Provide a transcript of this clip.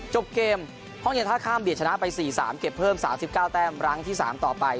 จบเกมห้องเย็นท่าข้ามเบียดชนะไปสี่สามเก็บเพิ่มสามสิบเก้าแต้มรังที่สามต่อไป